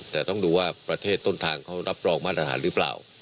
แต่ต้องดูว่าประเทศต้นทางเขารับรองมาตรฐานหรือเปล่า